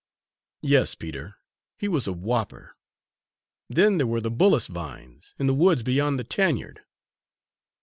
"Yes, Peter, he was a whopper! Then there were the bullace vines, in the woods beyond the tanyard!"